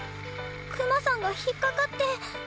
クマさんが引っ掛かって